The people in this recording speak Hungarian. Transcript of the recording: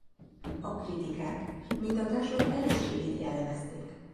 A kritikák mint a társulat erősségét jellemezték.